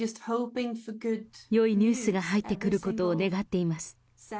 よいニュースが入ってくることを願っています。